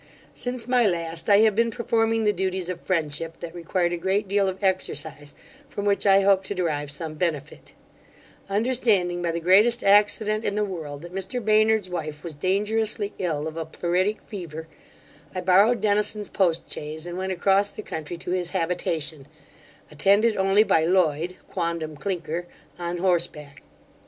Since my last, I have been performing the duties of friendship, that required a great deal of exercise, from which I hope to derive some benefit Understanding, by the greatest accident in the world, that Mr Baynard's wife was dangerously ill of a pleuritic fever, I borrowed Dennison's post chaise, and went across the country to his habitation, attended only by Loyd (quondam Clinker) on horseback.